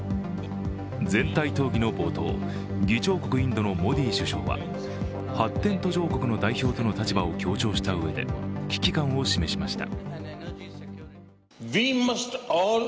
全体討議の冒頭、議長国インドのモディ首相は発展途上国の代表との立場を強調したうえで危機感を示しました。